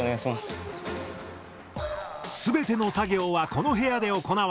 全ての作業はこの部屋で行われる。